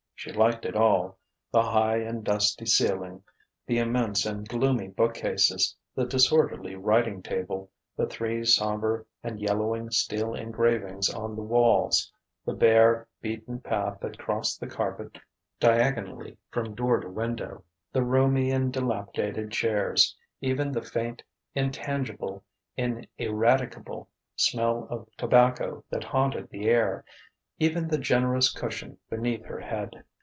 She liked it all: the high and dusty ceiling, the immense and gloomy bookcases, the disorderly writing table, the three sombre and yellowing steel engravings on the walls, the bare, beaten path that crossed the carpet diagonally from door to window, the roomy and dilapidated chairs, even the faint, intangible, ineradicable smell of tobacco that haunted the air, even the generous cushion beneath her head.